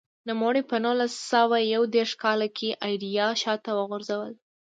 نوموړي په نولس سوه یو دېرش کال کې ایډیا شاته وغورځوله.